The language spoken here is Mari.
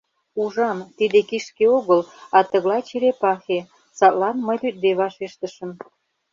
Ужам, тиде кишке огыл, а тыглай черепахе, садлан мый лӱдде вашештышым: